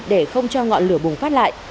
để không cho ngọn lửa bùng phát lại